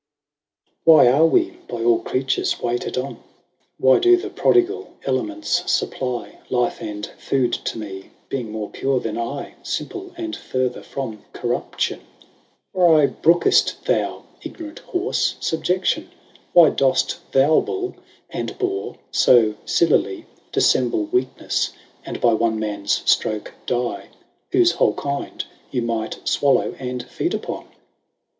WHy are wee by all creatures waited on ? Why doe the prodigall elements fupply Life and food to mee, being more pure then I, Simple, and further from corruption ? Why brook'ft thou, ignorant horfe, fubjeclion ? 5 Why doft thou bull, and bore fo feelily Diflemble weaknefle, and by 'one mans ftroke die, Whofe whole kinde, you might fwallow and feed upon